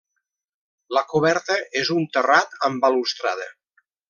La coberta és un terrat amb balustrada.